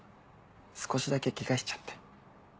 少しだけケガしちゃって。